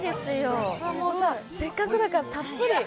もうさ、せっかくだからさ、たっぷり。